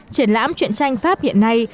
triển lãm chuyện tranh pháp hiện nay